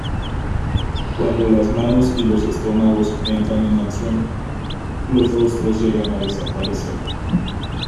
Cuando las manos y los estómagos entran en acción, los rostros llegan a desaparecer.